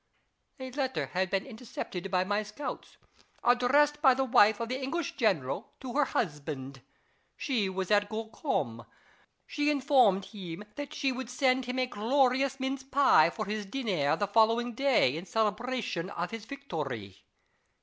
A letter had been intercepted by my scouts, addressed by the wife of the English general to her husband. She was at Gorcum : she informed him that she would send him a glorious mince pie, for his dinner the following day, in celebration of his victory.